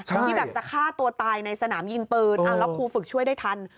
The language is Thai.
ที่แบบจะฆ่าตัวตายในสนามยิงปืนแล้วครูฝึกช่วยได้ทัน